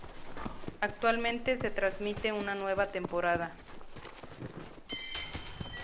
Actualmente se transmite una nueva temporada.